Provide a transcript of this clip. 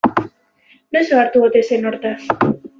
Noiz ohartu ote zen hortaz?